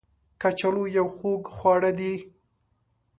کچالو یو خوږ خواړه دی